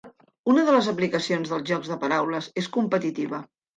Una de les aplicacions dels jocs de paraules és la competitiva.